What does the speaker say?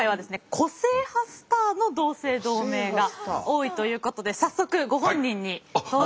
個性派スターの同姓同名が多いということで早速ご本人に登場。